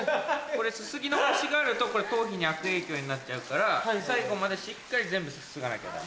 すすぎ残しがあると頭皮に悪影響になっちゃうから最後までしっかり全部すすがなきゃダメ。